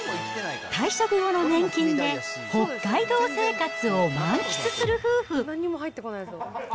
退職後の年金で北海道生活を満喫する夫婦。